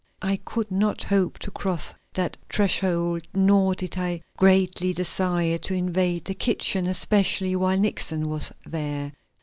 I could not hope to cross that threshold, nor did I greatly desire to invade the kitchen, especially while Nixon was there.